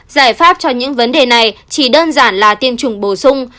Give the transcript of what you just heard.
giải pháp cho những vấn đề này chỉ đơn giản là tiêm chủng bổ sung